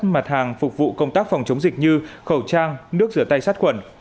mặt hàng phục vụ công tác phòng chống dịch như khẩu trang nước rửa tay sát khuẩn